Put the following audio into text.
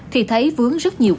thì thấy vướng rất là nguy hiểm